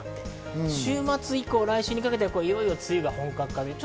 週末以降、来週にかけては、いよいよ梅雨が本格化。